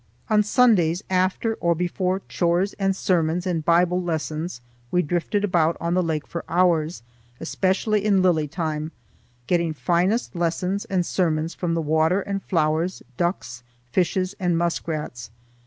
On Sundays, after or before chores and sermons and Bible lessons, we drifted about on the lake for hours, especially in lily time, getting finest lessons and sermons from the water and flowers, ducks, fishes, and muskrats.